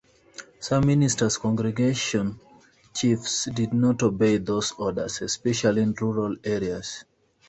Some ministers' congregation chiefs did not obey those orders, especially in rural areas.